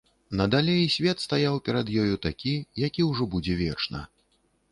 Надалей свет стаяў перад ёю такі, які ўжо будзе вечна.